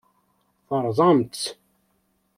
Terẓamt-tt.